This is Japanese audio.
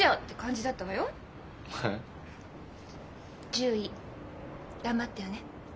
獣医頑張ってよね。